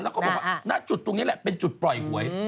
แล้วก็บอกว่าณจุดตรงนี้แหละเป็นจุดปล่อยหวย